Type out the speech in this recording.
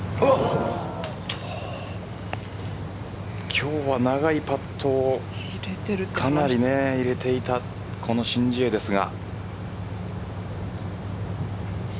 今日は長いパットをかなり入れていたこの申ジエですが。